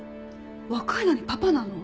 若いのにパパなの？